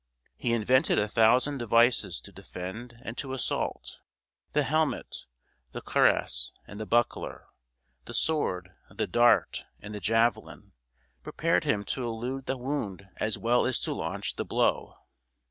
He invented a thousand devices to defend and to assault the helmet, the cuirass, and the buckler, the sword, the dart, and the javelin, prepared him to elude the wound as well as to launch the blow.